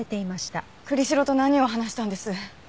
栗城と何を話したんです？